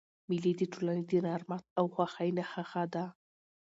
مېلې د ټولني د نرمښت او خوښۍ نخښه ده.